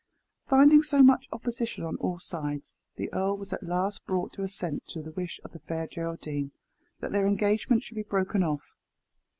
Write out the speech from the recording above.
Finding so much opposition on all sides, the earl was at last brought to assent to the wish of the Fair Geraldine, that their engagement should be broken off.